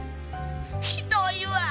ひどいわ。